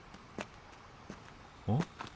あっ。